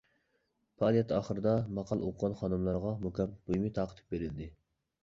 پائالىيەت ئاخىرىدا ماقالە ئوقۇغان خانىملارغا مۇكاپات بۇيۇمى تارقىتىپ بېرىلدى.